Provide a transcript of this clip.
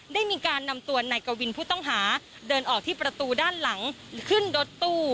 ได้มีการนำตัวนายกวินผู้ต้องหาเดินออกที่ประตูด้านหลังขึ้นรถตู้